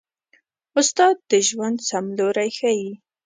استاد د ژوند سم لوری ښيي.